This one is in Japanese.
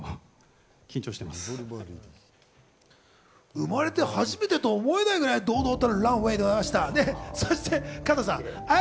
生まれて初めてとは思えないくらい、堂々たるランウェイでした。